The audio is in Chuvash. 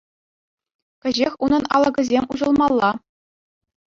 Кӗҫех унӑн алӑкӗсем уҫӑлмалла.